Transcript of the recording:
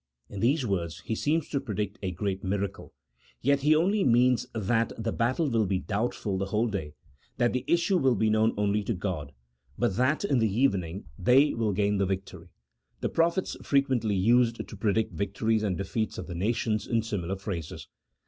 In these words he seems to predict a great miracle, yet he only means that the battle will be doubtful the whole day, that the issue will be known only to G od, but that in the evening they will gain the victory : the prophets frequently used to pre dict victories and defeats of the nations in similar phrases.